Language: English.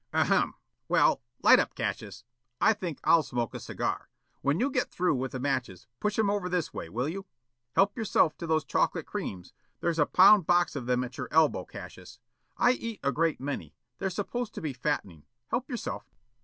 "Ahem! Well, light up, Cassius. I think I'll smoke a cigar. When you get through with the matches, push 'em over this way, will you? Help yourself to those chocolate creams. There's a pound box of them at your elbow, Cassius. I eat a great many. They're supposed to be fattening. Help yourself."